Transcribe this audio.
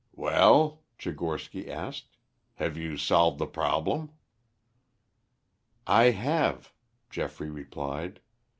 "Well," Tchigorsky asked, "have you solved the problem?" "I have," Geoffrey replied.